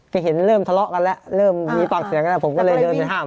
ก็เห็นเริ่มทะเลาะกันแล้วเริ่มมีปากเสียงกันแล้วผมก็เลยเดินไปห้าม